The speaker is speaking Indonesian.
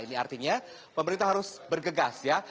ini artinya pemerintah harus bergegas ya